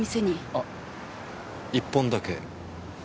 あ１本だけ？